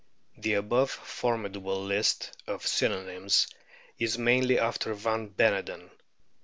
The above formidable list of synonyms is mainly after van Beneden.